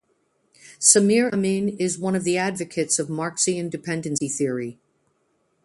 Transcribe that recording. Samir Amin is one of the advocates of Marxian dependency theory.